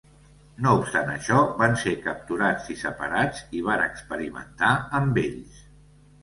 No obstant això, van ser capturats, separats i van experimentar amb ells.